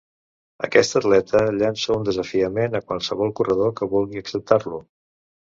Aquest atleta llança un desafiament a qualsevol corredor que vulgui acceptar-lo.